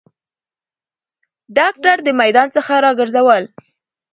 داکتر د میدان څخه راګرځول